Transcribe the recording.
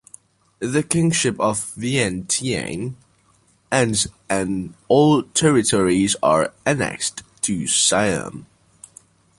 The kingship of Vientiane ends and all territories are annexed to Siam.